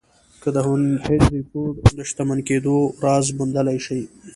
که د هنري فورډ د شتمن کېدو راز موندلای شئ.